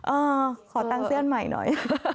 เออขอตั้งเส้นใหม่หน่อย